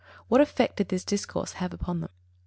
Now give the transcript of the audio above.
_What effect did this discourse have upon them?